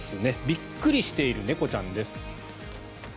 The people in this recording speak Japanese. びっくりしている猫ちゃんです。